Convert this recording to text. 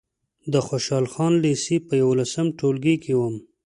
د خوشحال خان لېسې په یولسم ټولګي کې وم.